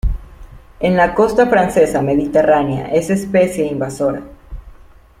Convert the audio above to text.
En la costa francesa mediterránea es especie invasora.